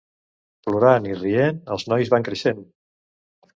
Plorant i rient, els nois van creixent.